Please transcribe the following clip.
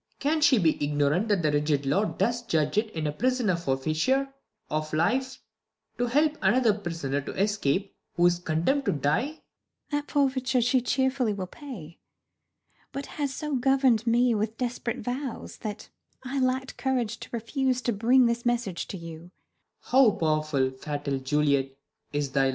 Can she be ign'rant that the rigid law Does judge it in a prisoner forfeiture Of life, to help another prisoner to Escape, who is condemn'd to die 1 Maid. That forfeiture she cheerfully will pay : But has so govern'd me with desp'rate vows, That I lackt courage to refuse to brinij Ihis message to you. Claud. How pow'rful, fatal Juliet, is thy love